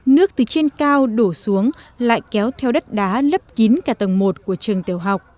nước từ trên cao đổ xuống lại kéo theo đất đá lấp kín cả tầng một của trường tiểu học